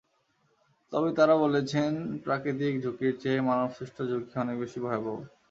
তবে তাঁরা বলেছেন, প্রাকৃতিক ঝুঁকির চেয়ে মানবসৃষ্ট ঝুঁকি অনেক বেশি ভয়াবহ।